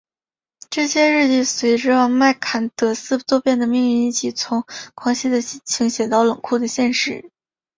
这些日记随着麦坎德斯多变的命运一起从狂喜的心情写到冷酷的现实。